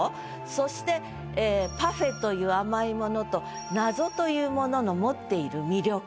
そして「パフェ」という甘い物と「謎」というものの持っている魅力。